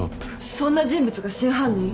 そんな人物が真犯人？